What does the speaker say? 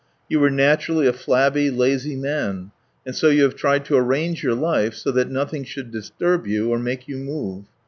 You were naturally a flabby, lazy man, and so you have tried to arrange your life so that nothing should disturb you or make you move.